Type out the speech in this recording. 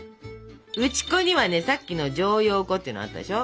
打ち粉にはさっきの薯蕷粉っていうのあったでしょ？